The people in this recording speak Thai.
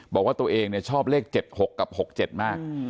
บอกว่าตัวเองชอบเลข๗๖กับ๖๗มาก